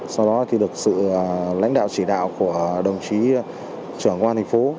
sau đó được sự lãnh đạo chỉ đạo của đồng chí trưởng công an thị phố